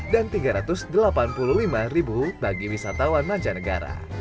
dan rp tiga ratus delapan puluh lima bagi wisatawan manja negara